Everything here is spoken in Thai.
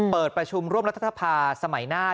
เปิดประชุมร่วมรัฐสภาสมัยหน้า